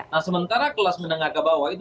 nah sementara kelas menengah ke bawah itu